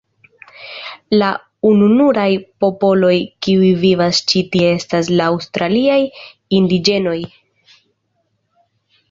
La ununuraj popoloj, kiuj vivas ĉi tie estas la aŭstraliaj indiĝenoj.